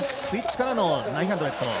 スイッチからの９００。